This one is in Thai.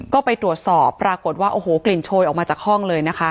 ก็ไปตรวจสอบปรากฏว่าโอ้โหกลิ่นโชยออกมาจากห้องเลยนะคะ